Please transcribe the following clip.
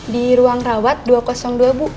di ruang rawat dua ratus dua bu